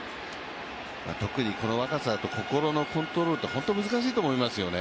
特にこの若さだと心のコントロールって本当、難しいと思いますね。